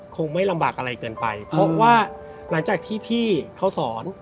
คงไม่ลำบากอะไรเกินไปเพราะว่าหลังจากที่พี่เขาสอน